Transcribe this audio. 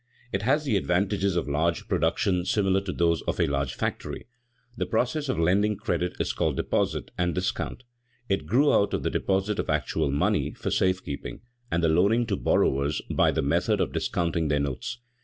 It has the advantages of large production similar to those of a large factory. The process of lending credit is called deposit and discount. It grew out of the deposit of actual money for safe keeping and the loaning to borrowers by the method of discounting their notes.